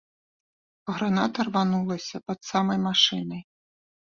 Граната рванулася пад самай машынай.